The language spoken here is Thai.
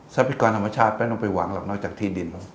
ทรัพย์พิกรธรรมชาติไม่ต้องไปหวังเรานอกจากที่ดิน